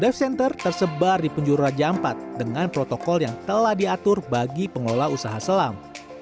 live center tersebar di penjuru raja ampat dengan protokol yang telah diatur bagi pengelola usaha selam